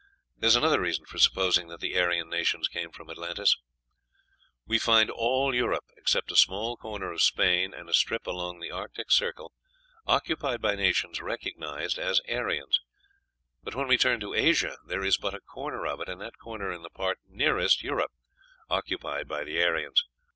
There is another reason for supposing that the Aryan nations came from Atlantis. We find all Europe, except a small corner of Spain and a strip along the Arctic Circle, occupied by nations recognized as Aryan; but when we turn to Asia, there is but a corner of it, and that corner in the part nearest Europe, occupied by the Aryans.